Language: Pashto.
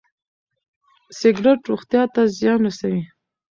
سګرټ روغتيا ته زيان رسوي.